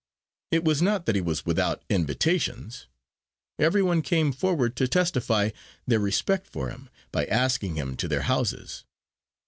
It was not that he was without invitations. Every one came forward to testify their respect for him by asking him to their houses.